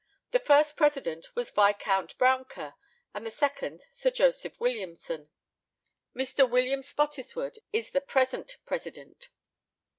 The first president was Viscount Brouncker, and the second Sir Joseph Williamson. Mr. William Spottiswoode is the present president.